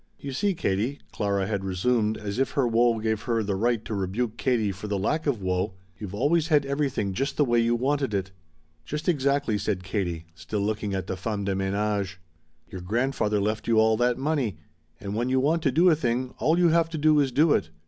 "You see, Katie," Clara had resumed, as if her woe gave her the right to rebuke Katie for the lack of woe, "you've always had everything just the way you wanted it." "Just exactly," said Katie, still looking at the femme de menage. "Your grandfather left you all that money, and when you want to do a thing all you have to do is do it.